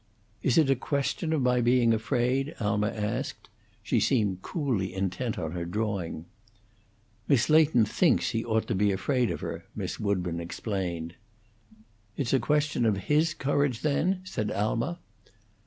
"Is it a question of my being afraid?" Alma asked; she seemed coolly intent on her drawing. "Miss Leighton thinks he ought to be afraid of her," Miss Woodburn explained. "It's a question of his courage, then?" said Alma.